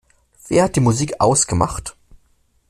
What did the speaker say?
Wer hat die Musik ausgemacht?